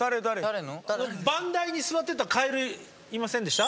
番台に座ってたカエルいませんでした？